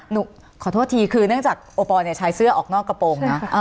ขอโทษทีคือเนื่องจากโอปอล์ใช้เสื้อออกนอกกระโปรงนะ